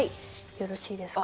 よろしいですか？